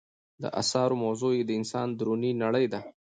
د اثارو موضوع یې د انسان دروني نړۍ ده.